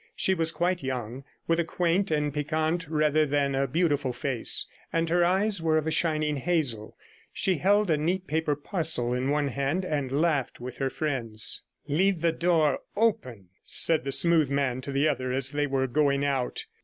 She was quite young, with a quaint and piquant rather than a beautiful face, and her eyes were of a shining hazel. She held a neat paper parcel in one hand, and laughed with her friends. 'Leave the door open,' said the smooth man to the other, as they were going out.